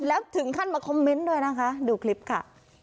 แล้วถึงขั้นมาคอมเมนต์ด้วยนะคะดูคลิปค่ะ